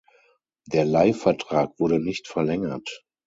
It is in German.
Der Leihvertrag wurde nicht verlängert.